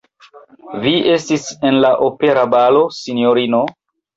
Vi estis en la opera balo, sinjorino?